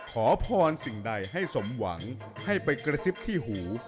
ขอพรสิ่งใดให้สมหวังให้ไปกระซิบที่หู